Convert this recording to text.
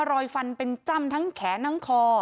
รอยฟันเป็นจ้ำทั้งแขนทั้งคอ